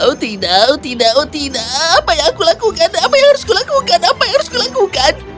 oh tidak oh tidak tidak oh tidak apa yang aku lakukan apa yang harus kulakukan apa yang harus kulakukan